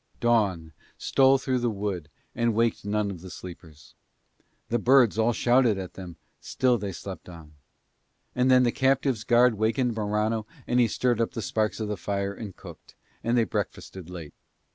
Dawn stole through the wood and waked none of the sleepers; the birds all shouted at them, still they slept on; and then the captive's guard wakened Morano and he stirred up the sparks of the fire and cooked, and they breakfasted late.